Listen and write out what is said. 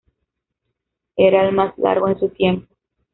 Era el más largo en su tiempo.